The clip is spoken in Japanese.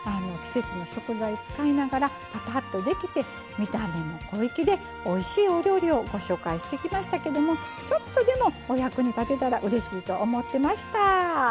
季節の食材使いながらパパッとできて見た目も小粋でおいしいお料理をご紹介してきましたけどもちょっとでもお役に立てたらうれしいと思ってました。